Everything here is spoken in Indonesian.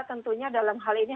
tentunya dalam hal ini